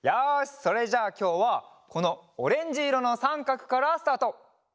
それじゃあきょうはこのオレンジいろのさんかくからスタート。